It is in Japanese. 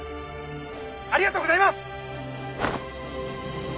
ありがとうございます！